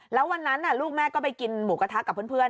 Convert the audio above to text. แล้ววันนั้นลูกแม่ก็ไปกินหมูกระทะกับเพื่อน